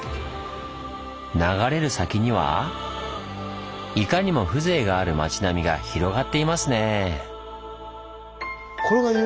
流れる先にはいかにも風情がある町並みが広がっていますねぇ。